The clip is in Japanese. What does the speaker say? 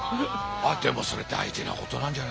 でもそれ大事なことなんじゃないですか。